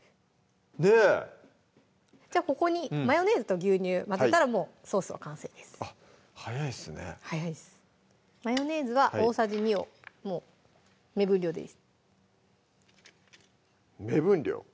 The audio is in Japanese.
ねっじゃあここにマヨネーズと牛乳混ぜたらもうソースは完成ですあっ早いっすね早いっすマヨネーズは大さじ２をもう目分量で目分量？